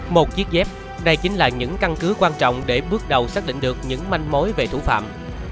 một chiếc dép đây chính là những căn cứ quan trọng để bước đầu xác định được những manh mối về thủ phạm